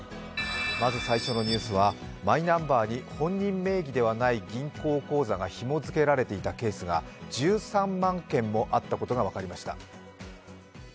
まず最初のニュースはマイナンバーに本人名義ではない銀行口座にひも付けられていたケースが１３万件もあったことが分かりました。